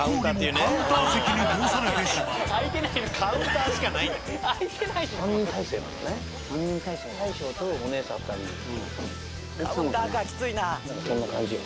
カウンターかきついな。